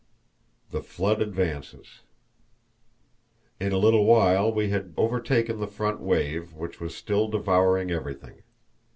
The Flood Advances. In a little while we had overtaken the front wave, which was still devouring everything.